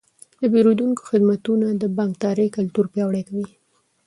د پیرودونکو خدمتونه د بانکدارۍ کلتور پیاوړی کوي.